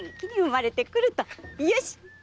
よし！